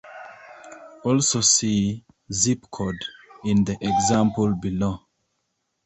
Also see "zip-code" in the example below.